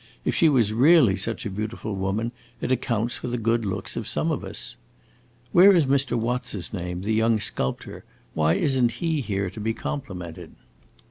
If she was really such a beautiful woman, it accounts for the good looks of some of us. Where is Mr. What 's his name, the young sculptor? Why is n't he here to be complimented?"